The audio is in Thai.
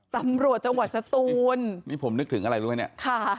ตำรวจจังหวัดสตูนนี่ผมนึกถึงอะไรรู้ไหมเนี่ยค่ะ